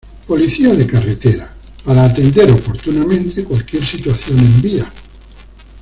Policía de carretera para atender oportunamente cualquier situación en vía.